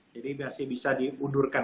jadi masih bisa diundurkan